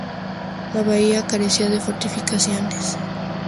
La bahía carecía de fortificaciones.